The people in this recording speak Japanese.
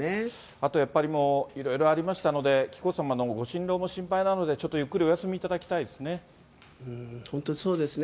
あとやっぱり、もういろいろありましたので、紀子さまのご心労も心配なので、ちょっとゆっくりお休みいただき本当にそうですね。